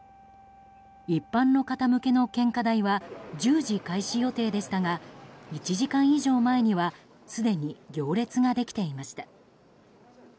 一般の方向けの献花台は１０時開始予定でしたが１時間以上前にはすでに行列ができていました。